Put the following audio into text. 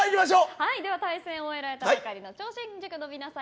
対戦を終えられたばかりの超新塾の皆さん